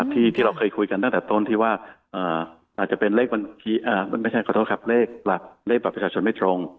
ที่เราเคยคุยกันตั้งแต่ต้นที่ว่าอาจจะเป็นเลขปรับประชาชนไม่ตรง